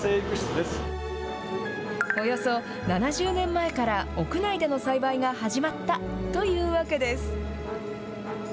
およそ７０年前から、屋内での栽培が始まったというわけです。